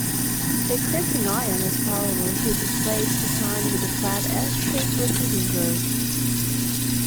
A crimping iron has parallel heated plates designed with a flat S-shaped repeating groove.